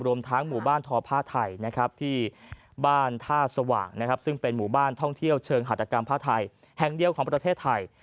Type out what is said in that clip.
รวมทั้งหมู่บ้านทอผ้าไทยที่บ้านท่าสว่างซึ่งเป็นหมู่บ้านท่องเที่ยวเชิงหัตกรรมผ้าไทยแห่งเดียวของประเทศไทย